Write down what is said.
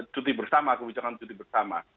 cuti bersama kebijakan cuti bersama